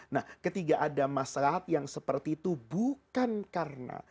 nah ketika ada masalah yang seperti itu bukan karena